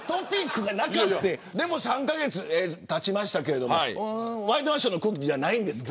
３カ月たちましたけどワイドナショーの空気じゃないんですか。